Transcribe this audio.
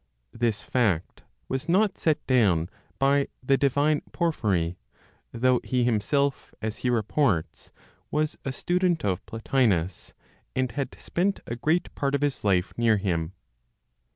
This fact was not set down by the divine Porphyry, though he himself, as he reports, was a student of Plotinos, and had spent a great part of his life near him.